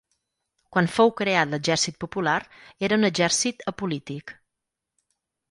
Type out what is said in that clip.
Quan fou creat l'Exèrcit Popular, era un exèrcit «apolític»